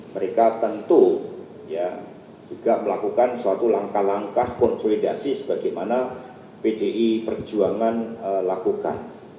mereka tentu juga melakukan suatu langkah langkah konsolidasi sebagaimana pdi perjuangan lakukan